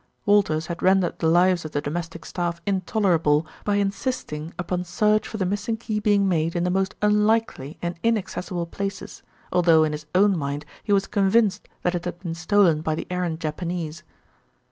Walters had rendered the lives of the domestic staff intolerable by insisting upon search for the missing key being made in the most unlikely and inaccessible places, although in his own mind he was convinced that it had been stolen by the errant Japanese.